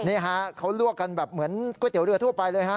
นี่ฮะเขาลวกกันแบบเหมือนก๋วยเตี๋ยเรือทั่วไปเลยฮะ